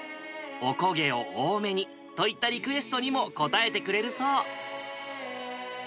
おこげを多めにといったリクエストにも応えてくれるそう。